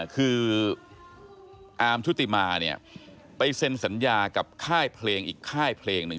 คืออาร์มชุติมาเนี่ยไปเซ็นสัญญากับค่ายเพลงอีกค่ายเพลงหนึ่ง